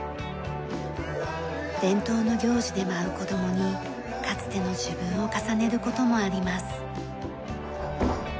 伝統の行事で舞う子どもにかつての自分を重ねる事もあります。